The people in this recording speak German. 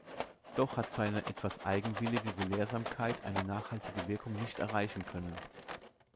Doch hat seine etwas eigenwillige Gelehrsamkeit eine nachhaltige Wirkung nicht erreichen können.